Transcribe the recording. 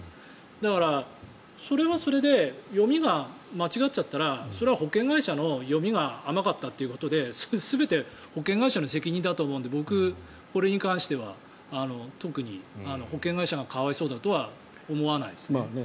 だから、それはそれで読みが間違っちゃったらそれは保険会社の読みが甘かったということで全て保険会社の責任だと思うので僕、これに関しては特に保険会社が可哀想だとは思わないですね。